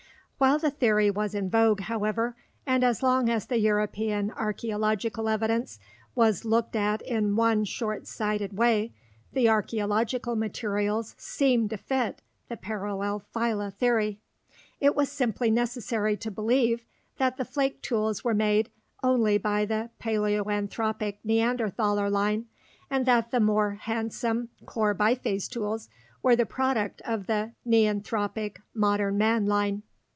While the theory was in vogue, however, and as long as the European archeological evidence was looked at in one short sighted way, the archeological materials seemed to fit the parallel phyla theory. It was simply necessary to believe that the flake tools were made only by the paleoanthropic Neanderthaler line, and that the more handsome core biface tools were the product of the neanthropic modern man line.